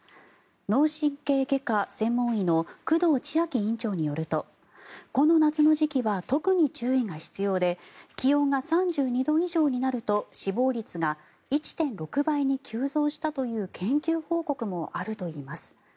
脳神経外科専門医の工藤千秋院長によるとこの夏の時期は特に注意が必要で気温が３２度以上になると死亡率が１．６倍に急増したという研究報告もあるといいます。